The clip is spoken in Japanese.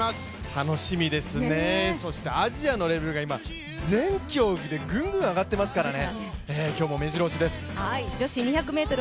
楽しみですね、そしてアジアのレベルが今、全競技でぐんぐん上がってますからね。